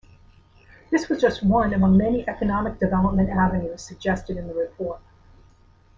This was just one among many economic development avenues suggested in the report.